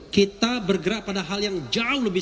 kita bergerak pada hal yang jauh lebih